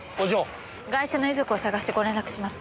ガイシャの遺族を捜してご連絡します。